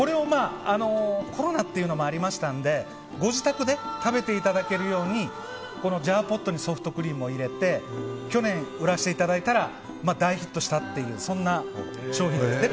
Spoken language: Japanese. コロナというのもありましたのでご自宅で食べていただけるようにジャーポットにソフトクリームを入れて去年、売らせていただいたら大ヒットしたというそんな商品です。